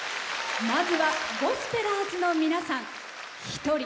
まずは、ゴスペラーズの皆さん「ひとり」。